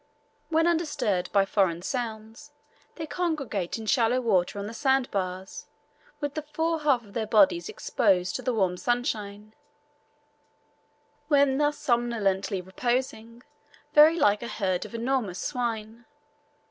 When undisturbed by foreign sounds, they congregate in shallow water on the sand bars, with the fore half of their bodies exposed to the warm sunshine, and are in appearance, when thus somnolently reposing, very like a herd of enormous swine.